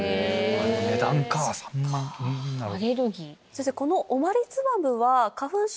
先生。